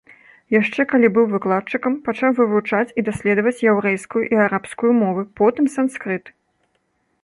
Яшчэ калі быў выкладчыкам, пачаў вывучаць і даследаваць яўрэйскую і арабскую мовы, потым санскрыт.